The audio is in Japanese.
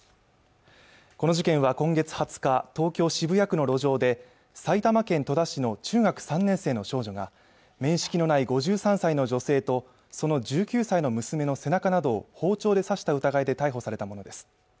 この事件は今月２０日東京渋谷区の路上で埼玉県戸田市の中学３年生の少女が面識のない５３歳の女性とその１９歳の娘の背中などを包丁で刺した疑いで逮捕されたものです